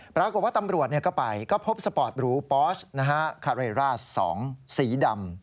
ปรากฏว่าตำรวจก็ไปก็พบสปอร์ตหรูปอสคาเรร่า๒สีดำ